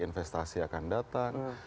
investasi akan datang